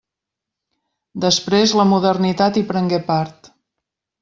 Després, la modernitat hi prengué part.